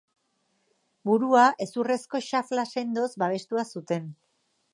Burua hezurrezko xafla sendoz babestua zuten.